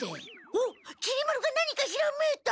おっきり丸が何かひらめいた！